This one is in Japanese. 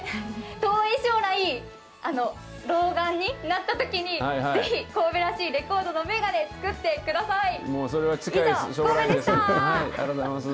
遠い将来、老眼になったときに、ぜひ、神戸らしいレコードのもうそれは近い将来です。